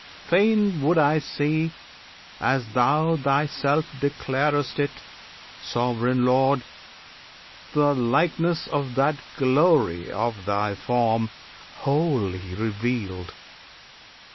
Fain would I see, As thou Thyself declar'st it, Sovereign Lord! The likeness of that glory of Thy Form Wholly revealed.